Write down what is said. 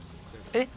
えっ？